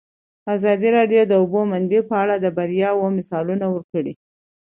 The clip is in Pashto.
ازادي راډیو د د اوبو منابع په اړه د بریاوو مثالونه ورکړي.